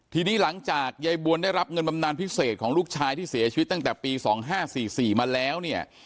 ทีนี้หลังจากยายบวนได้รับเงินบำนานพิเศษของลูกชายที่เสียชีวิตตั้งแต่ปี๒๕๔๔มาแล้วเนี่ย